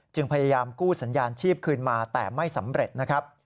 พยายามกู้สัญญาณชีพคืนมาแต่ไม่สำเร็จนะครับ